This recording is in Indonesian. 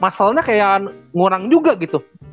masalah nya kayak ngurang juga gitu